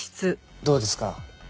どうですか？